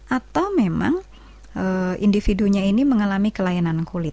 atau memang individunya ini mengalami kelainan kulit